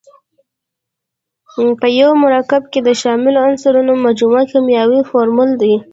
په یوه مرکب کې د شاملو عنصرونو مجموعه کیمیاوي فورمول دی.